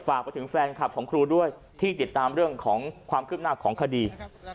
ฝากไปถึงแฟนคลับของครูด้วยที่ติดตามเรื่องของความคืบหน้าของคดี